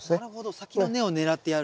先の根を狙ってやる。